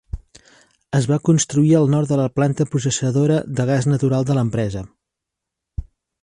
Es va construir al nord de la planta processadora de gas natural de l'empresa.